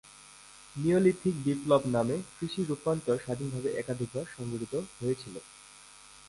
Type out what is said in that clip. Neolithic বিপ্লব নামে কৃষি রূপান্তর স্বাধীনভাবে একাধিকবার সংঘটিত হয়েছিল।